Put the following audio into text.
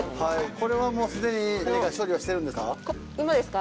これはもうすでに何か処理はしてるんですか？